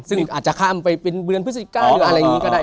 ซึ่งอาจจะค้ามไปเป็นเวลา๑๙รูปอะไรอย่างนี้ก็ได้